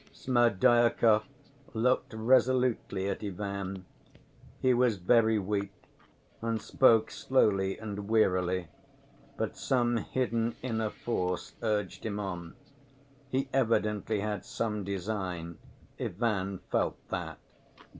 Smerdyakov looked resolutely at Ivan. He was very weak and spoke slowly and wearily, but some hidden inner force urged him on. He evidently had some design. Ivan felt that.